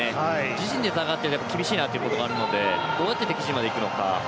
自陣で戦っていて厳しいなということありますのでどうやって敵陣にいくのか